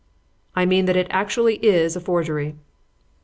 "I mean that it actually is a forgery."